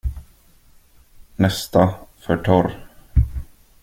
Nästa, för torr.